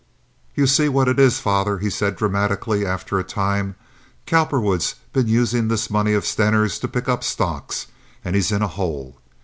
"You see what it is, father," he said, dramatically, after a time. "Cowperwood's been using this money of Stener's to pick up stocks, and he's in a hole.